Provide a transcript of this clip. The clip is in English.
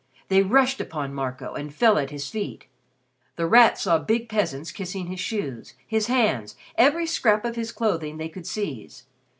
They rushed upon Marco, and fell at his feet. The Rat saw big peasants kissing his shoes, his hands, every scrap of his clothing they could seize.